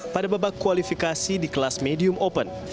pada babak kualifikasi di kelas medium open